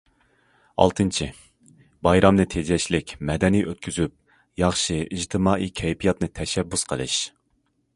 ئالتىنچى، بايرامنى تېجەشلىك، مەدەنىي ئۆتكۈزۈپ، ياخشى ئىجتىمائىي كەيپىياتنى تەشەببۇس قىلىش.